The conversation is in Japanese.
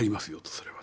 それはと。